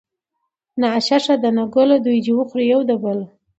ـ نه آشه ښه ده نه ګله دوي د وخوري يو د بله.